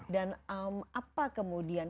dan apa kemudian